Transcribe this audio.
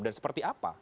dan seperti apa